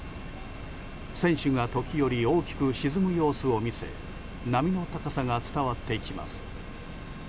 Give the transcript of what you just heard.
船首が時折、大きく沈む様子を見せ波の高さが伝わってきます。